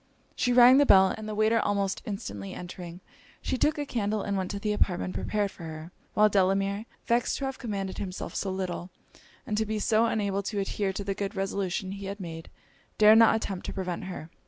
She rang the bell; and the waiter almost instantly entering, she took a candle and went to the apartment prepared for her: while Delamere, vexed to have commanded himself so little, and to be so unable to adhere to the good resolutions he had made, dared not attempt to prevent her.